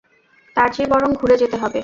তারচেয়ে বরং ঘুরে যেতে হবে।